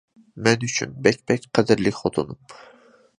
مەن ئۈچۈن بەك بەك قەدىرلىك خوتۇنۇم.